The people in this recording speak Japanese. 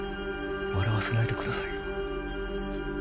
笑わせないでくださいよ。